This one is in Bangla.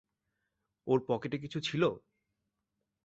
ওর পকেটে কিছু ছিল?